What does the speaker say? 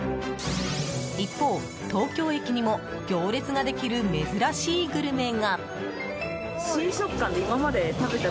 一方、東京駅にも行列ができる珍しいグルメが。